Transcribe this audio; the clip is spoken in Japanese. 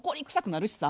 なるしさ